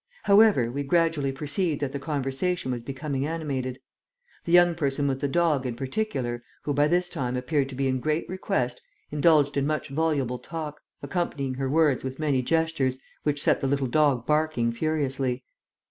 However, we gradually perceived that the conversation was becoming animated. The young person with the dog, in particular, who by this time appeared to be in great request, indulged in much voluble talk, accompanying her words with many gestures, which set the little dog barking furiously.